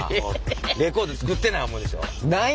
レコード作ってない思うでしょ？